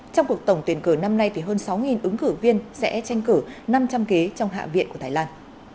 trong cuộc tổng tuyển cử năm nay thì hơn sáu ứng cử viên sẽ tranh cử năm trăm linh ghế trong hạ viện của thái lan